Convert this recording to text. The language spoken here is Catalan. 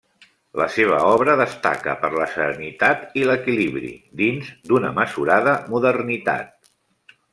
La seva obra destaca per la serenitat i l'equilibri, dins d'una mesurada modernitat.